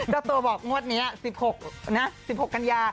ตัวบอกงวดนี้๑๖นะ๑๖กัญญา